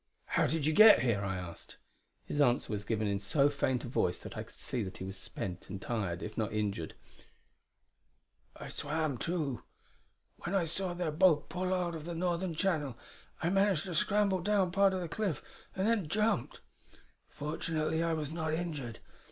"How did you get here?" I asked. His answer was given in so faint a voice that I could see that he was spent and tired, if not injured: "I swam, too. When I saw their boat pull out of the northern channel, I managed to scramble down part of the cliff, and then jumped. Fortunately I was not injured.